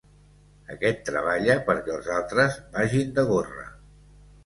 Aquest treballa perquè els altres vagin de gorra.